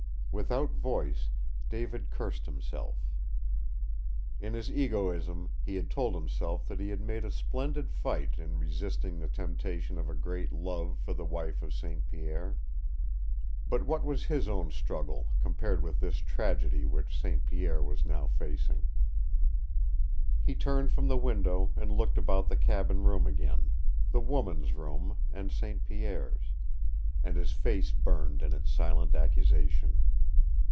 Without voice David cursed himself. In his egoism he had told himself that he had made a splendid fight in resisting the temptation of a great love for the wife of St. Pierre. But what was his own struggle compared with this tragedy which St. Pierre was now facing? He turned from the window and looked about the cabin room again the woman's room and St. Pierre's and his face burned in its silent accusation.